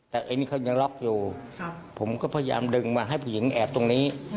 แต่ไอ้นี่เขายังล็อกอยู่ผมก็พยายามดึงมาให้ผู้หญิงแอบตรงนี้